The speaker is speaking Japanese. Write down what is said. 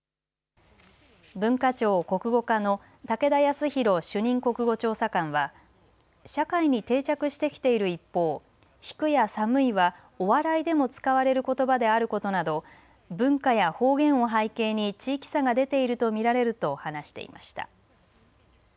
文化庁国語課の武田康宏主任国語調査官は社会に定着してきている一方引くや寒いは、お笑いでも使われることばであることなど文化や方言を背景に地域差が出ていると見られると話していました。